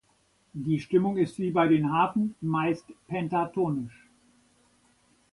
Die Stimmung ist wie bei den Harfen meist pentatonisch.